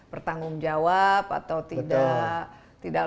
bertanggung jawab atau tidak